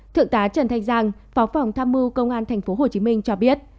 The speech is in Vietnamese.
thượng tá trần thanh giang phó phòng tham mưu công an thành phố hồ chí minh cho biết